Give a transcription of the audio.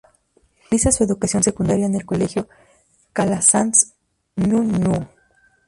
Realiza su educación secundaria en el Colegio Calasanz, Ñuñoa.